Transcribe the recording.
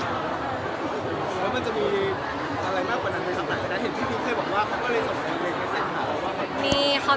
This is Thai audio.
เห็นที่พี่เค้าบอกว่าเขาก็เลยส่งอังเกณฑ์ในไตล์ขาว